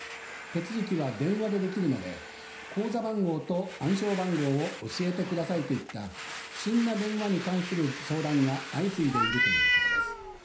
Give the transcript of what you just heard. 手続きは電話でできるので口座番号と暗証番号を教えてくださいといった不審な電話に関する相談が相次いでいるということです。